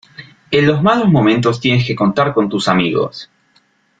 En los malos momentos tienes que contar con tus amigos.